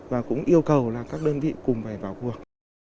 và cũng yêu cầu là các đơn vị cùng phải vào cuộc